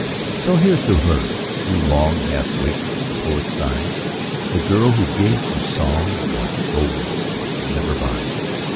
So here's to her, who long Hath waked the poet's sigh, The girl, who gave to song What gold could never buy.